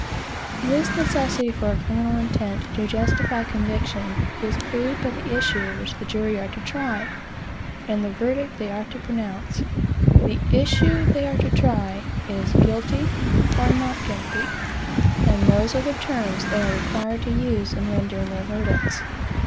This necessity for a criminal intent, to justify conviction, is proved by the issue which the jury are to try, and the verdict they are to pronounce. The "issue" they are to try is, "guilty,"or "not guilty." And those are the terms they are required to use in rendering their verdicts.